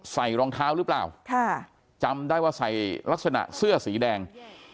รองเท้าหรือเปล่าจำได้ว่าใส่ลักษณะเสื้อสีแดง